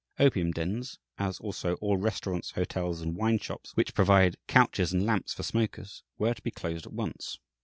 Opium dens, as also all restaurants, hotels, and wine shops which provide couches and lamps for smokers were to be closed at once.